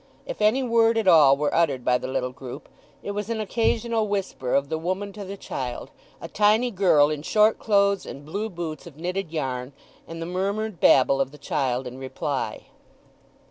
If any word at all were uttered by the little group, it was an occasional whisper of the woman to the child—a tiny girl in short clothes and blue boots of knitted yarn—and the murmured babble of the child in reply.